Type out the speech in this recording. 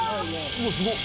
「うわっすごっ！」